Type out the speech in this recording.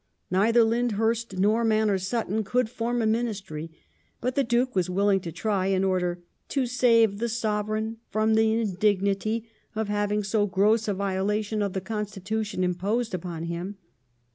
Neither Lyndhurst nor Mannei s Sutton could form a Ministry, but the Duke was willing to try in order " to save the Sovereign from the indignity of having so gross a violation of the Constitution imposed upon him